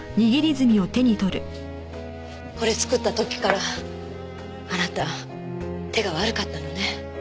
これ作った時からあなた手が悪かったのね。